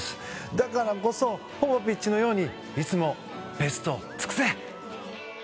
だからこそポポビッチのようにいつもベストを尽くせ！